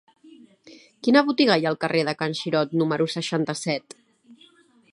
Quina botiga hi ha al carrer de Can Xirot número seixanta-set?